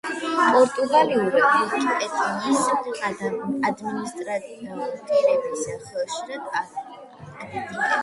პორტუგალიურ ვიკიპედიის ადმინისტრატორებს ხშირად აკრიტიკებენ.